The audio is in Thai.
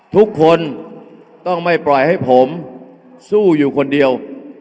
ทุกคนต้องไม่ปล่อยให้ผมสู้อยู่คนเดียว